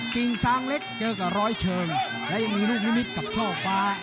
กิ่งซางเล็กเจอกับร้อยเชิงและยังมีลูกนิมิตกับช่อฟ้า